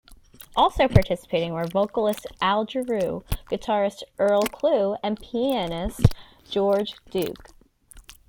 Also participating were vocalist Al Jarreau, guitarist Earl Klugh, and pianist George Duke.